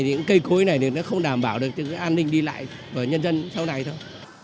những cây cối này thì nó không đảm bảo được cái an ninh đi lại của nhân dân sau này thôi